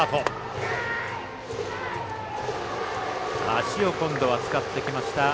足を今度は使ってきました